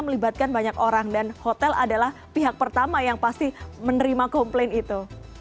melibatkan banyak orang dan hotel adalah pihak pertama yang pasti menerima komplain itu